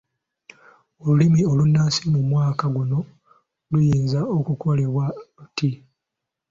Olulimi olunnansi mu mwaka guno luyinza okukolebwa luti